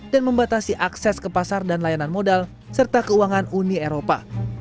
dan membatasi akses ke pasar dan layanan modal serta keuangan uni eropa